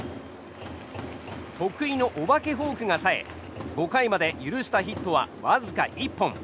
得意のお化けフォークがさえ５回まで許したヒットはわずか１本。